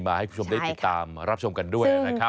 ให้คุณผู้ชมได้ติดตามรับชมกันด้วยนะครับ